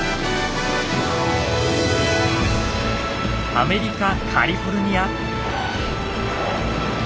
アメリカ・カリフォルニア。